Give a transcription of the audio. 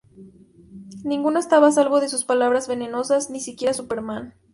Ninguno estaba a salvo de sus palabras venenosas, ni siquiera Superman.